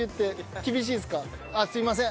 あっすいません